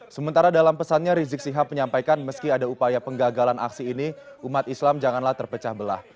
sementara dalam pesannya rizik sihab menyampaikan meski ada upaya penggagalan aksi ini umat islam janganlah terpecah belah